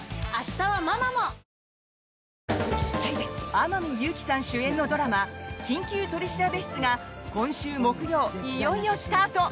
天海祐希さん主演のドラマ「緊急取調室」が今週木曜、いよいよスタート。